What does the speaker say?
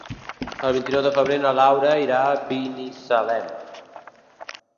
El vint-i-nou de febrer na Laura irà a Binissalem.